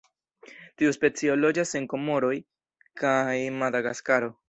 Tiu specio loĝas en Komoroj kaj Madagaskaro.